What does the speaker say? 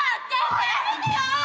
もうやめてよ！